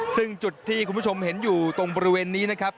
ซึ่งจุดที่คุณผู้ชมเห็นอยู่ตรงบริเวณนี้นะครับ